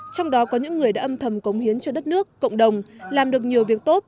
trong đó có những người đã âm thầm cống hiến cho đất nước cộng đồng làm được nhiều việc tốt